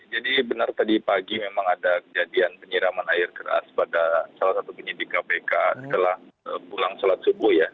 jadi benar tadi pagi memang ada kejadian penyiraman air keras pada salah satu penyidik kpk setelah pulang shalat subuh ya